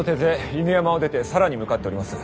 犬山を出て更に向かっております。